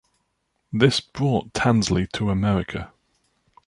This brought Tansley to America.